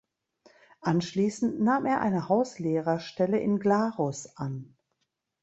Anschliessend nahm er eine Hauslehrerstelle in Glarus an.